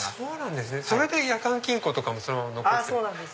それで夜間金庫とかもそのまま。